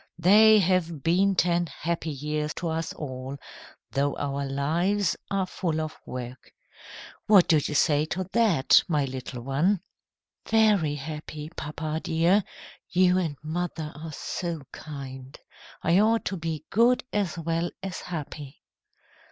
They have been ten happy years to us all, though our lives are full of work. What do you say to that, my little one?" "Very happy, papa dear. You and mother are so kind! I ought to be good as well as happy."